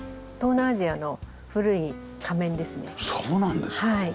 東南アジアの古い仮面ですね。